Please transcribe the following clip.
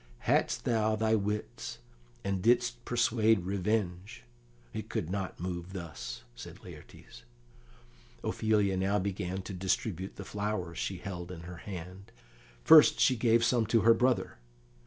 "Hadst thou thy wits, and didst persuade revenge, it could not move thus," said Laertes. Ophelia now began to distribute the flowers she held in her hand. First she gave some to her brother.